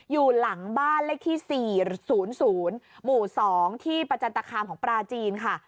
อยู่หลังบ้านเลขที่๔๐๐หมู่๒ที่ประจันตคามของปลาจีนค่ะ